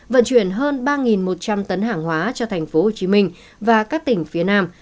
vận chuyển hơn ba một trăm linh tấn hàng hóa cho tp hcm và các tỉnh phía nam